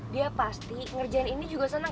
dia pasti ngerjain ini juga senang